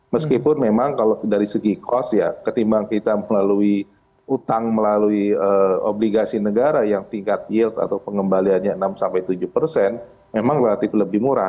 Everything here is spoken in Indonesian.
meskipun memang kalau dari segi cost ya ketimbang kita melalui utang melalui obligasi negara yang tingkat yield atau pengembaliannya enam tujuh persen memang relatif lebih murah